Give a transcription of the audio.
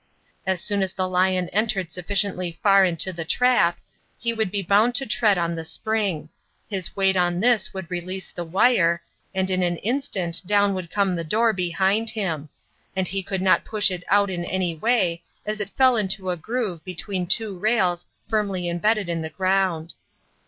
As soon as the lion entered sufficiently far into the trap, he would be bound to tread on the spring; his weight on this would release the wire, and in an instant down would come the door behind him; and he could not push it out in any way, as it fell into a groove between two rails firmly embedded in the ground.